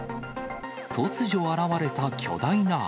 突如現れた巨大な穴。